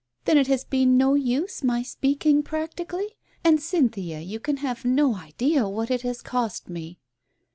"Then it has been no use my speaking, practically ? And, Cynthia, you can have no idea what it has cost me